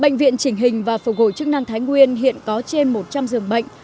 bệnh viện trình hình và phục hồi chức năng thái nguyên hiện có trên một trăm linh giường bệnh